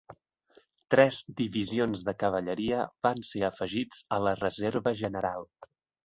Tres divisions de cavalleria van ser afegits a la reserva general.